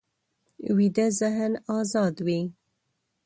ویده ذهن ازاد وي